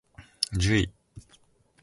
じゅい